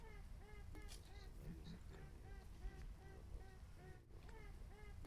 Los escenarios se crean mediante pequeños programas en lenguaje Lua.